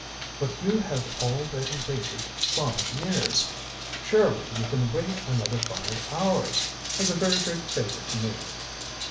"But you have already waited five years. Surely you can wait another five hours as a very great favor to me."